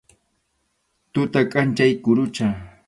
Tuta kʼanchaq kurucha.